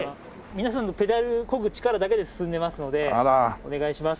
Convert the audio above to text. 皆さんのペダルを漕ぐ力だけで進んでいますのでお願いします